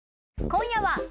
今夜は。